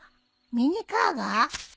ミニカーが？